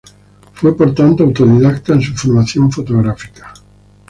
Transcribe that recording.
Fue por tanto autodidacta en su formación fotográfica.